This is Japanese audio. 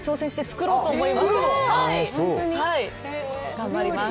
頑張ります。